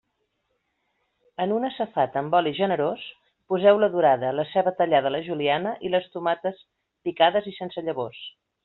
En una safata amb oli generós poseu la dorada, la ceba tallada a la juliana i les tomates picades i sense llavors.